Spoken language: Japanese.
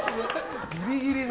ギリギリの。